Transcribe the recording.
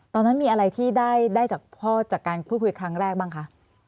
ตอนนั้นมีอะไรที่ได้จากพ่อจากการพูดคุยครั้งแรกบ้างคะ